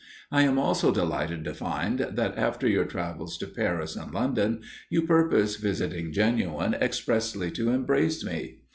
I am also delighted to find that, after your travels to Paris and London, you purpose visiting Genoa expressly to embrace me.